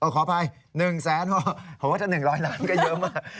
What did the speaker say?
อ้อขออภัยหนึ่งแสนโหถ้าหนึ่งร้อยล้านก็เยอะมาก